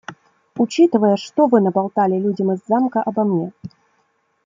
Учитывая, что вы наболтали людям из Замка обо мне.